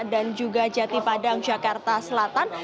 dan juga jati padang jakarta selatan